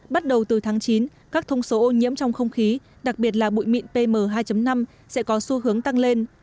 bắt đầu từ tháng chín các thông số ô nhiễm trong không khí đặc biệt là bụi mịn pm hai năm sẽ có xu hướng tăng lên